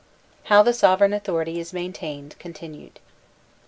How THE Sovereign Authority is Maintained — (Continued).